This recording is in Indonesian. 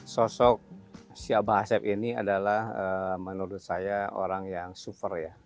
sosok si abang asep ini adalah menurut saya orang yang super ya